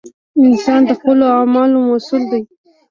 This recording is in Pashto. انسان د خپلو اعمالو مسؤول دی!